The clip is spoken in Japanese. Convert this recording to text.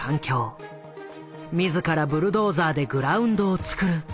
自らブルドーザーでグラウンドを作る。